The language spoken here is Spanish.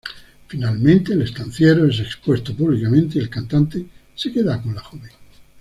Finalmente el estanciero es expuesto públicamente y el cantante se queda con la joven.